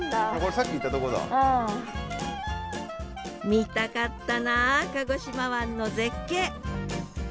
見たかったな鹿児島湾の絶景。